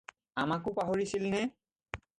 আমাকো পাহৰিছিলনে?